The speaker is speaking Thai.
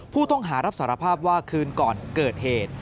ผู้ต้องหารับสารภาพว่าคืนก่อนเกิดเหตุ